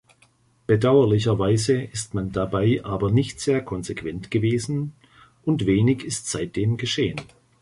Bedauerlicherweise ist man dabei aber nicht sehr konsequent gewesen, und wenig ist seitdem geschehen.